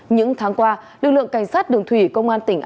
những tháng qua lực lượng cảnh sát đường thủy công an tỉnh